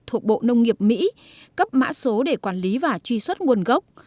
thuộc bộ nông nghiệp mỹ cấp mã số để quản lý và truy xuất nguồn gốc